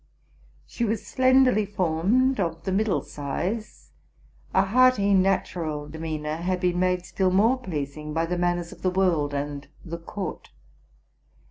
'' She was slenderly formed, of the middle size: a hearty natural demeanor had been made still more pleasing by the manners of the world and the court.